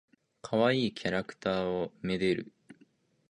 かわいいキャラクターを愛でる。